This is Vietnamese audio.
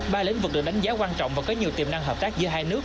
ba lĩnh vực được đánh giá quan trọng và có nhiều tiềm năng hợp tác giữa hai nước